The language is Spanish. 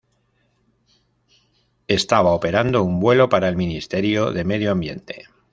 Estaba operando un vuelo para el Ministerio de Medio Ambiente.